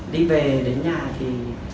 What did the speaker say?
đi về đến nhà thì